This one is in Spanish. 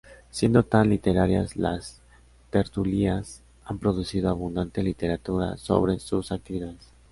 Siendo tan literarias, las tertulias han producido abundante literatura sobre sus actividades.